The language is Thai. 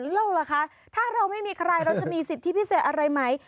แล้วล่ะคะถ้าเราไม่มีใครเราจะมีสิทธิพิเศษอะไรไหม